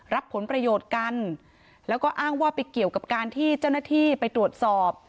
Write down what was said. รับผลประโยชน์กันแล้วก็อ้างว่าไปเกี่ยวกับการที่เจ้าหน้าที่ไปตรวจสอบ